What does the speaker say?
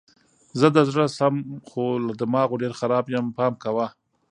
زه د زړه سم خو له دماغو ډېر خراب یم پام کوه!